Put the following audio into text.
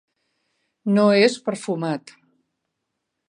No és perfumat.